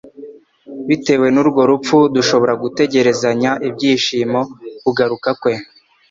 Bitewe n'urwo rupfu dushobora gutegerezanya ibyishimo ukugaruka kwe.